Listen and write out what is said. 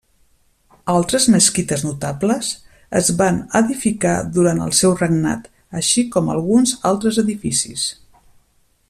Altres mesquites notables es van edificar durant el seu regnat així com alguns altres edificis.